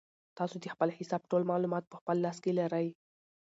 تاسو د خپل حساب ټول معلومات په خپل لاس کې لرئ.